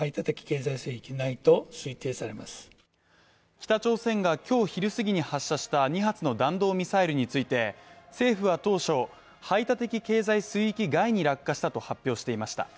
北朝鮮が今日昼すぎに発射した２発の弾道ミサイルについて、政府は当初排他的経済水域外に落下したと発表していました。